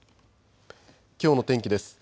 きょうの天気です。